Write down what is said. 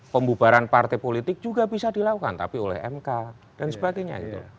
pembubaran partai politik juga bisa dilakukan tapi oleh mk dan sebagainya